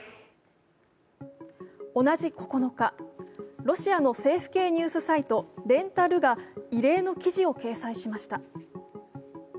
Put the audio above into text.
同じ９日、ロシアの政府系ニュースサイト、レンタ・ルが異例の記事を掲載しました。